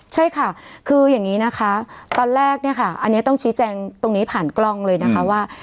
ใช่ค่ะคืออย่างนี้นะคะตอนแรกเนี่ยค่ะอันนี้ต้องชี้แจงตรงนี้ผ่านกล้องเลยนะคะว่า